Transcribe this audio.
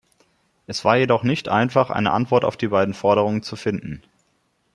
Es war jedoch nicht einfach, eine Antwort auf die beiden Forderungen zu finden.